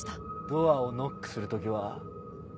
ドアをノックする時は。